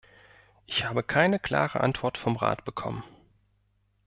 Ich habe keine klare Antwort vom Rat bekommen.